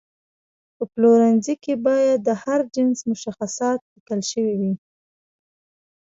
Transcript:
په پلورنځي کې باید د هر جنس مشخصات لیکل شوي وي.